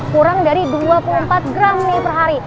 kurang dari dua puluh empat gram nih per hari